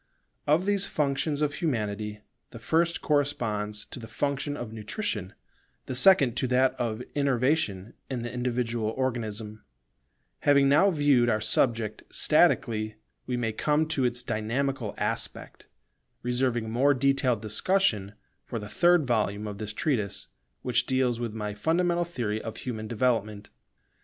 Of these functions of Humanity the first corresponds to the function of nutrition, the second to that of innervation in the individual organism. [Dynamical aspects] Having now viewed our subject statically, we may come to its dynamical aspect; reserving more detailed discussion for the third volume of this treatise, which deals with my fundamental theory of human development.